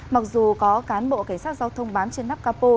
mặc dù có cán bộ cảnh sát giao thông bám trên nắp capo